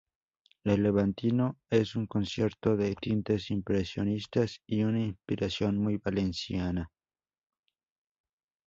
El Levantino es un concierto de tintes impresionistas y una inspiración muy valenciana.